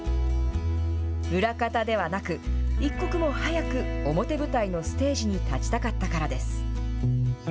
裏方ではなく、一刻も早く表舞台のステージに立ちたかったからです。